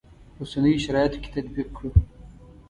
اوسنیو شرایطو کې تطبیق کړو.